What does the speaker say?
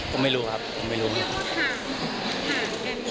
ผมไม่รู้ครับผมไม่รู้ไง